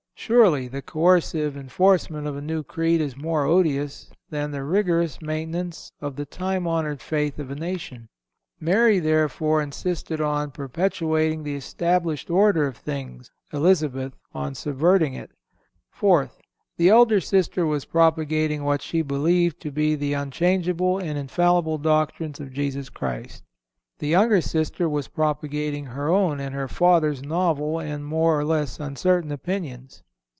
Surely, the coercive enforcement of a new creed is more odious than the rigorous maintenance of the time honored faith of a nation. Mary, therefore, insisted on perpetuating the established order of things; Elizabeth on subverting it. Fourth—The elder sister was propagating what she believed to be the unchangeable and infallible doctrines of Jesus Christ; the younger sister was propagating her own and her father's novel and more or less uncertain opinions.